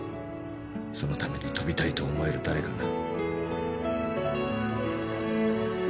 そのために跳びたいと思える誰かが。